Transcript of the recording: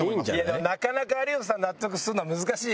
でもなかなか有吉さん納得するのは難しいよ。